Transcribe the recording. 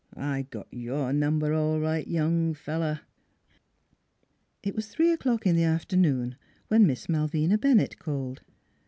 I got your number all right, young feller !" It was three o'clock in the afternoon when Miss Malvina Bennett called.